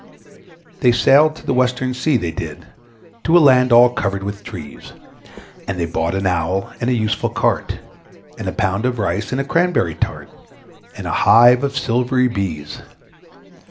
They sailed to the Western Sea, they did, To a land all covered with trees, And they bought an Owl, and a useful Cart, And a pound of Rice, and a Cranberry Tart, And a hive of silvery Bees.